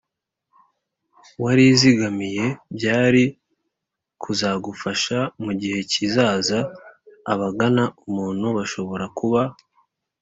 warizigamiye byari kuzagufasha mu gihe kizaza. abagana umuntu bashobora kuba